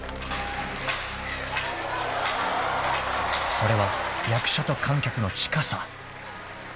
［それは役者と観客の近さ］